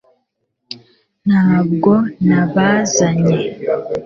ntabwo nabazanye